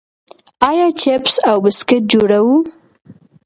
آیا چپس او بسکټ جوړوو؟